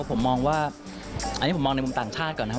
ผมมองว่าอันนี้ผมมองในมุมต่างชาติก่อนนะครับ